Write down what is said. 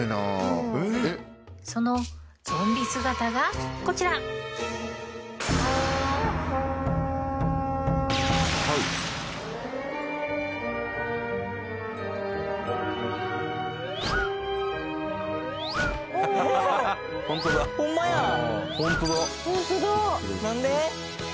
そのゾンビ姿がこちらホントだ何で？